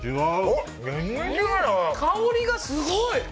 香りがすごい！